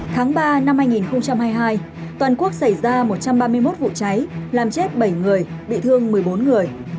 tháng ba năm hai nghìn hai mươi hai toàn quốc xảy ra một trăm ba mươi một vụ cháy làm chết bảy người bị thương một mươi bốn người